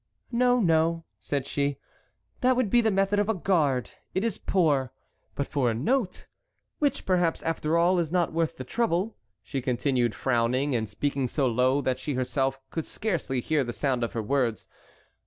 "No, no," said she, "that would be the method of a guard; it is poor. But for a note—which perhaps after all is not worth the trouble," she continued, frowning, and speaking so low that she herself could scarcely hear the sound of her words.